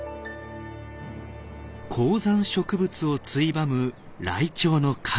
高山植物をついばむライチョウの家族。